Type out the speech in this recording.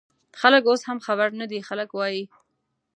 خلک اوس هم خبر نه دي، خلک وايي